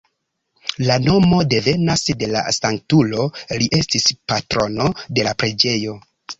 La nomo devenas de la sanktulo, li estis patrono de la preĝejo.